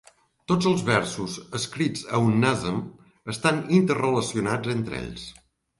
Tots els versos escrits a un Nazm estan interrelacionats entre ells.